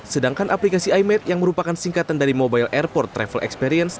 sedangkan aplikasi imade yang merupakan singkatan dari mobile airport travel experience